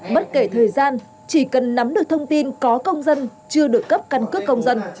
bất kể thời gian chỉ cần nắm được thông tin có công dân chưa được cấp căn cước công dân